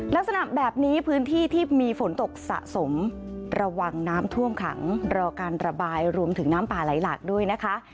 ลักษณะแบบนี้พื้นที่ที่มีฝนตกสะสมระวังน้ำท่วมขังรอการระบายรวมถึงน้ำป่าไหลหลากด้วยนะคะ